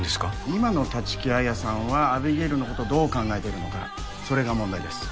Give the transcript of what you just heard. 今の立木彩さんはアビゲイルの事をどう考えているのかそれが問題です。